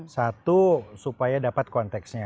satu supaya dapat konteksnya